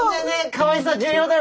かわいさ重要だよね！